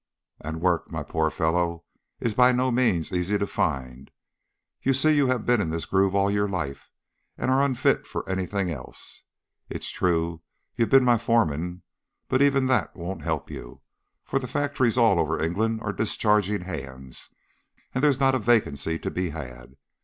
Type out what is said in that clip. "And work, my poor fellow, is by no means easy to find. You see you have been in this groove all your life, and are unfit for anything else. It's true you've been my foreman, but even that won't help you, for the factories all over England are discharging hands, and there's not a vacancy to be had.